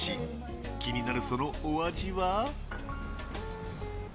気になる、そのお味は。